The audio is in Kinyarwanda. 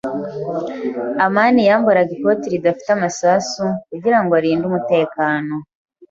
amani yambaraga ikoti ridafite amasasu, kugirango arinde umutekano.